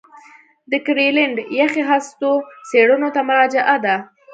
د ګرینلنډ یخي هستو څېړنو ته مراجعه ده